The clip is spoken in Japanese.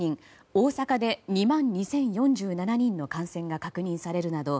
大阪で２万２０４７人の感染が確認されるなど